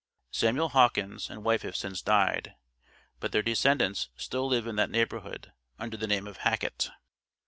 Samuel Hawkins and wife have since died, but their descendants still live in that neighborhood, under the name of Hackett.